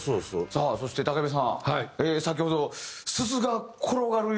さあそして武部さん先ほど。